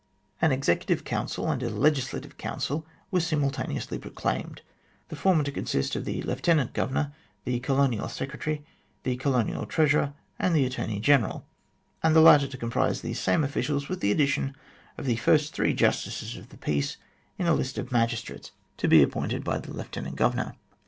An Executive Council and a Legislative Council were simultaneously proclaimed, the former to con sist of the Lieutenant Governor, the Colonial Secretary, the Colonial Treasurer, and the Attorney General, and the latter to comprise these same officials with the addition of the first three justices of the peace in a list of magistrates to be 42 THE GLADSTONE COLONY appointed by the Lieutenant Governor.